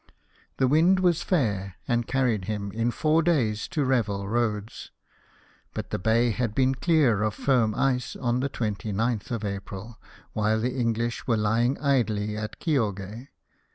The wind was fair, and carried him, in four days, to Revel Roads. But the bay had been clear of firm ice on the 29th of April, while the English were lying idl/ at Kioge.